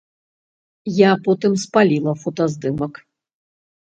Я потым спаліла фотаздымак.